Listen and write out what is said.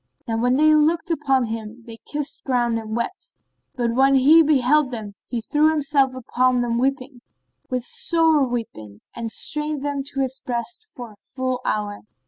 Now when they looked upon him, they kissed ground and wept; but, when he beheld them, he threw himself upon them weeping, with sore weeping, and strained them to his breast for a full hour.